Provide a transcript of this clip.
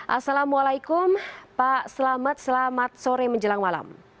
assalamualaikum pak selamat selamat sore menjelang malam